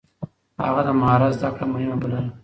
هغه د مهارت زده کړه مهمه بلله.